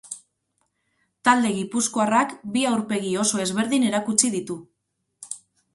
Talde gipuzkoarrak bi aurpegi oso ezberdin erakutsi ditu.